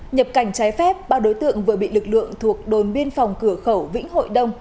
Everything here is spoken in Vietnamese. nhập cảnh trái phép ba đối tượng vừa bị lực lượng thuộc đồn biên phòng cửa khẩu vĩnh hội đông